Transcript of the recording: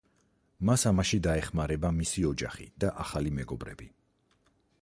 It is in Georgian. მას ამაში დაეხმარება მისი ოჯახი და ახალი მეგობრები.